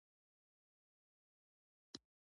کور د هر چا لپاره ارزښت لري.